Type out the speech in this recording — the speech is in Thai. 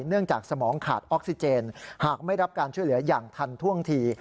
เนื่องจากสมองขาดออกซิเจนหากไม่รับการช่วยเหลืออย่างทันท่วงที